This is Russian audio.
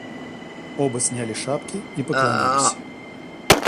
Оба сняли шапки и поклонились.